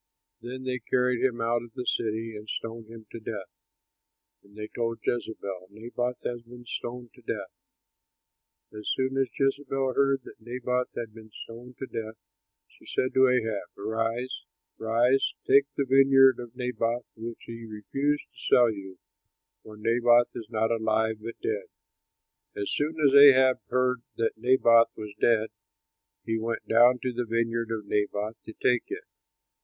Then they carried him out of the city and stoned him to death. And they told Jezebel, "Naboth has been stoned to death." As soon as Jezebel heard that Naboth had been stoned to death, she said to Ahab, "Rise, take the vineyard of Naboth which he refused to sell you, for Naboth is not alive but dead." As soon as Ahab heard that Naboth was dead, he went down to the vineyard of Naboth to take it.